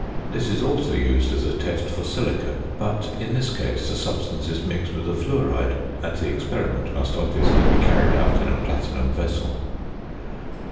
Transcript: This is also used as a test for silica; but in this case the substance is mixed with a fluoride, and the experiment must obviously be carried out in a platinum vessel.